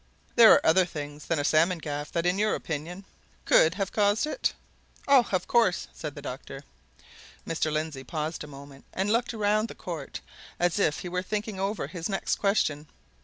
"There are other things than a salmon gaff that, in your opinion, could have caused it?" "Oh, of course!" said the doctor. Mr. Lindsey paused a moment, and looked round the court as if he were thinking over his next question.